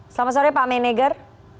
selamat sore pak maneger